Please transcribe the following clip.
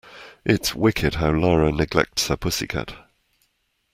It's wicked how Lara neglects her pussy cat.